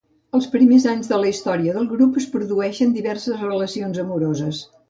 Els primers anys de la història del grup es produeixen diverses relacions amoroses.